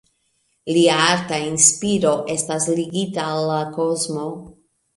Lia arta inspiro estas ligita al la kosmo.